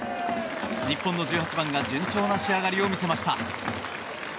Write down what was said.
日本の１８番が順調な仕上がりを見せました。